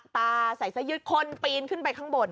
ตาใส่ซะยึดคนปีนขึ้นไปข้างบน